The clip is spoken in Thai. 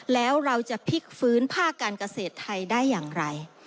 แล้วเราจะพลิกฟื้นภาคการเกษตรไทยได้อย่างไร